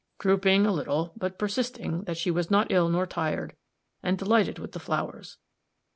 "Drooping a little, but persisting that she was not ill nor tired, and delighted with the flowers."